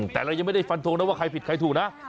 แต่เรายังไม่ได้ฟันทงนะว่าใครผิดใครถูกนะ